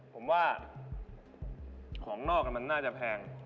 ผมว่าของนอกมันน่าจะแพง